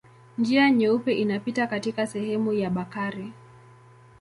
Njia Nyeupe inapita katika sehemu ya Bakari.